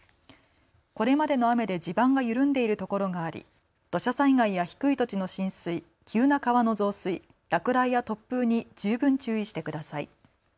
これまでの雨で地盤が緩んでいるところがあり土砂災害や低い土地の浸水、急な川の増水、落雷や突風に十分注意してください。